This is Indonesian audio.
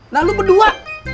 nah lu berdua